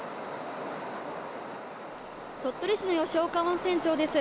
鳥取市の吉岡温泉町です。